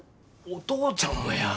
お父ちゃんもや。